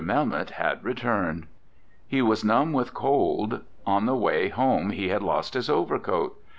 Melmoth had returned. He was numb with cold. On the way home he had lost his overcoat.